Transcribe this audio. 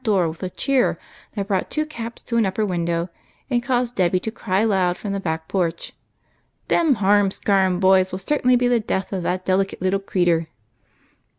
door with a cheer that brought two caps to an upper window, and caused Debby to cry aloud from the back porch, —" Them harum scarum boys will certainly be the death of that delicate little creter